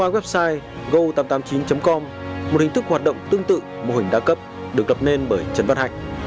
website go tám trăm tám mươi chín com một hình thức hoạt động tương tự mô hình đa cấp được lập nên bởi trần văn hạch